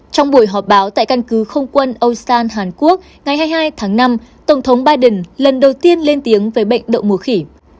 trong buổi họp báo tại căn cứ không quân ostan hàn quốc ngày hai mươi hai tháng năm tổng thống biden lần đầu tiên lên tiếng về bệnh đậu mùa khỉ